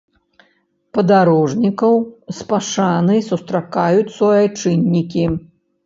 Падарожнікаў з пашанай сустракаюць суайчыннікі.